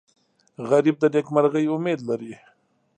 غریب د نیکمرغۍ امید لري